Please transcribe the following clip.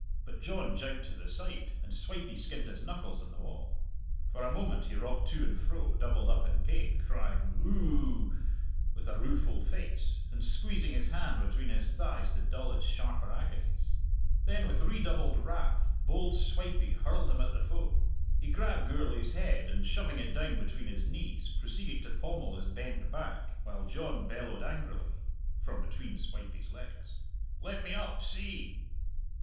But John jouked to the side, and Swipey skinned his knuckles on the wall. For a moment he rocked to and fro, doubled up in pain, crying "Ooh!" with a rueful face, and squeezing his hand between his thighs to dull its sharper agonies. Then with redoubled wrath bold Swipey hurled him at the foe. He grabbed Gourlay's head, and shoving it down between his knees, proceeded to pommel his bent back, while John bellowed angrily (from between Swipey's legs), "Let me up, see!"